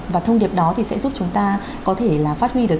và thông điệp đó sẽ giúp chúng ta có thể phát huy được